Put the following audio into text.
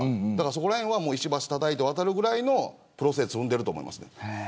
そこらへんは石橋たたいて渡るぐらいのプロセスを踏んでいると思います。